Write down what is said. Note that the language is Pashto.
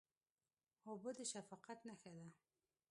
اوبه د شفقت نښه ده.